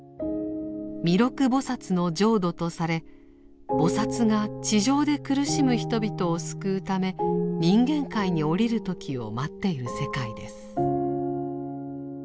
弥勒菩の浄土とされ菩が地上で苦しむ人々を救うため人間界に降りる時を待っている世界です。